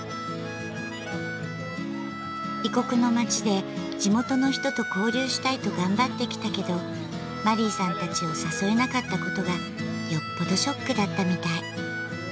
異国の街で地元の人と交流したいと頑張ってきたけどマリーさんたちを誘えなかったことがよっぽどショックだったみたい。